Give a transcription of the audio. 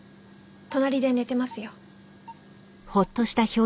隣で寝てますよ。